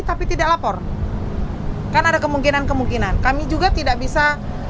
tapi tidak lapor kan ada kemungkinan kemungkinan kami juga tidak bisa